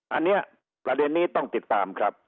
อันนี้ประเด็นนี้ต้องติดตามครับ